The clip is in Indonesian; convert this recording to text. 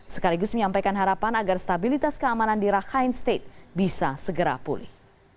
sekaligus menyampaikan harapan agar stabilitas keamanan di rakhine state bisa segera pulih